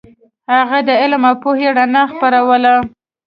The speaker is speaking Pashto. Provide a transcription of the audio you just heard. هغه د علم او پوهې رڼا خپروله.